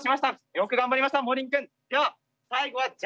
よく頑張りましたモーリン君。